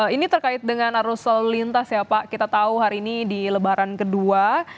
ini terkait dengan arus lalu lintas ya pak kita tahu hari ini di lebaran kedua